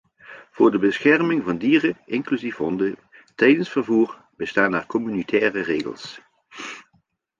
Voor de bescherming van dieren, inclusief honden, tijdens vervoer, bestaan er communautaire regels.